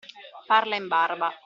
Farla in barba.